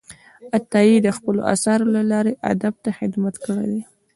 عطايي د خپلو آثارو له لارې ادب ته خدمت کړی دی.